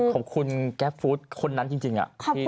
ขอบคุณจริง